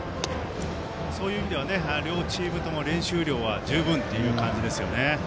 そういう意味では両チームとも練習量は十分という感じですよね。